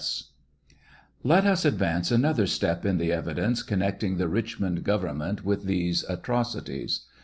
S." Let us advance another step in the evidence connecting the Richmond govern ment with these atrocities.